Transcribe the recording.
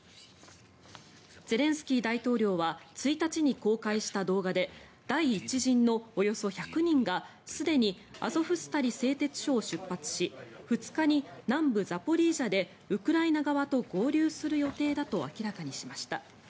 ゼレンスキー大統領は１日に公開した動画で第１陣のおよそ１００人がすでにアゾフスタリ製鉄所を出発し２日に南部ザポリージャでウクライナ側と合流する予定だと明らかにしました。